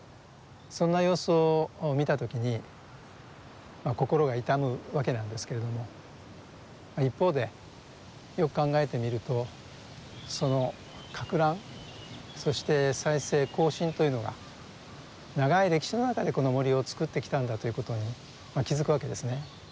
そんな様子を見た時に心が痛むわけなんですけれども一方でよく考えてみるとその攪乱そして再生更新というのが長い歴史の中でこの森を作ってきたんだということに気付くわけですね。